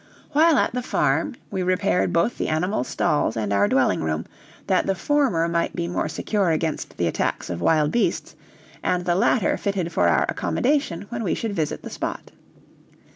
While at the farm, we repaired both the animals' stalls and our dwelling room, that the former might be more secure against the attacks of wild beasts, and the latter fitted for our accommodation when we should visit the spot.